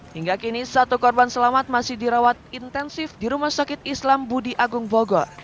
hingga kini satu korban selamat masih dirawat intensif di rumah sakit islam budi agung bogor